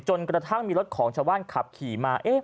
กระทั่งมีรถของชาวบ้านขับขี่มา